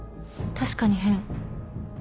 確かに変。